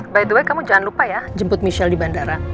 by the way kamu jangan lupa ya jemput michelle di bandara